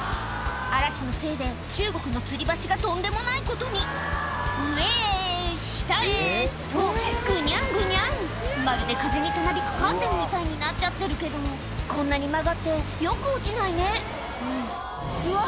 嵐のせいで中国のつり橋がとんでもないことに上へ下へとグニャングニャンまるで風に棚引くカーテンみたいになっちゃってるけどこんなに曲がってよく落ちないねうわ！